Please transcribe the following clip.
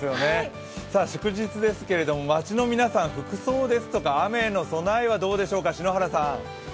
祝日ですけど、街の皆さん、服装ですとか雨の備えはどうでしょうか。